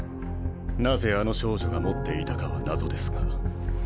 なぜあの少女が持っていたかは謎ですが。